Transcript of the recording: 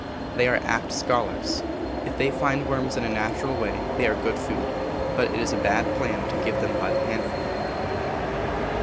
They are apt scholars. If they find worms in a natural way they are good food, but it is a bad plan to give them by the handful.